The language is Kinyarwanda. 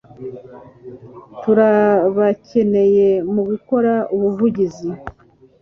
Turabakeneye mu gukora ubuvugizi